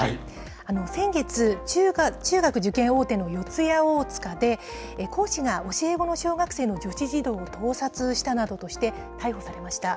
先月、中学受験塾大手の四谷大塚で、講師が教え子の小学生の女子児童を盗撮したなどとして、逮捕されました。